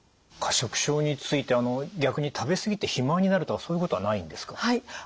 過食症について逆に食べ過ぎて肥満になるとかそういうことはないんですか？